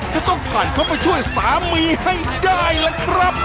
จะต้องผ่านเขาไปช่วยสามีให้ได้ล่ะครับ